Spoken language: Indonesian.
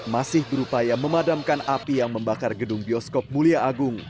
masih berupaya memadamkan api yang membakar gedung bioskop mulia agung